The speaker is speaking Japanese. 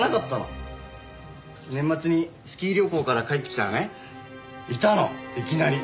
年末にスキー旅行から帰ってきたらねいたのいきなり。